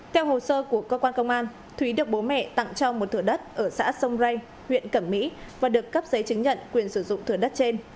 theo hồ sơ của cơ quan công an thúy được bố mẹ tặng cho một thửa đất ở xã sông ray huyện cẩm mỹ và được cấp giấy chứng nhận quyền sử dụng thửa đất trên